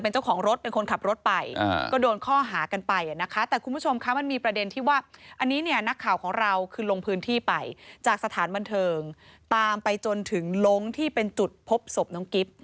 จากสถานบันเทิงตามไปจนถึงหลงที่เป็นจุดพบศพน้องกิ๊บ